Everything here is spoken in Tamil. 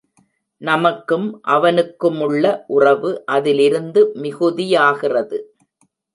நமக்கும் அவனுக்குமுள்ள உறவு அதிலிருந்து மிகுதியாகிறது.